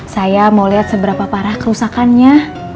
saya mau lihat seberapa parah kerusakannya